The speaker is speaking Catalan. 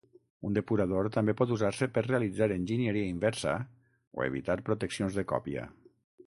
Un depurador també pot usar-se per realitzar enginyeria inversa o evitar proteccions de còpia.